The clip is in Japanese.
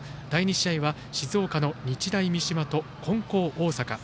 第２試合は静岡の日大三島と金光大阪。